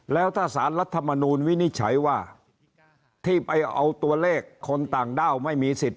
แล้วถ้าสารรัฐมนูลวินิจฉัยว่าที่ไปเอาตัวเลขคนต่างด้าวไม่มีสิทธิ์